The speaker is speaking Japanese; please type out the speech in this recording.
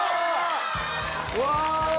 うわ！